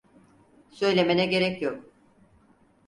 Söylemene gerek yok.